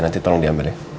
nanti tolong diambil ya